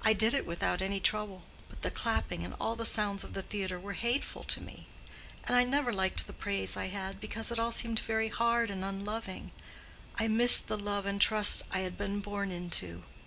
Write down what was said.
I did it without any trouble; but the clapping and all the sounds of the theatre were hateful to me; and I never liked the praise I had, because it all seemed very hard and unloving: I missed the love and trust I had been born into.